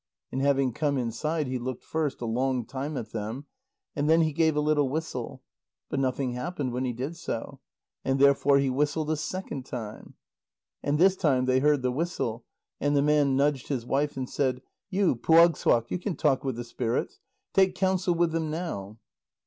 And having come inside, he looked first a long time at them, and then he gave a little whistle. But nothing happened when he did so, and therefore he whistled a second time. And this time they heard the whistle, and the man nudged his wife and said: "You, Puagssuaq, you can talk with the spirits. Take counsel with them now."